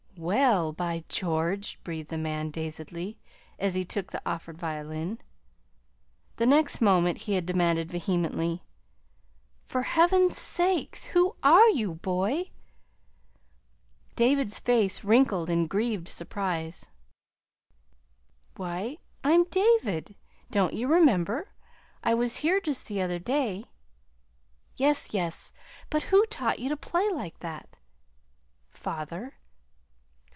"Well, by George!" breathed the man dazedly, as he took the offered violin. The next moment he had demanded vehemently: "For Heaven's sake, who ARE you, boy?" David's face wrinkled in grieved surprise. "Why, I'm David. Don't you remember? I was here just the other day!" "Yes, yes; but who taught you to play like that?" "Father."